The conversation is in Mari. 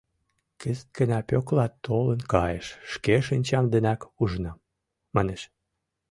— Кызыт гына Пӧкла толын кайыш, шке шинчам денак ужынам, манеш.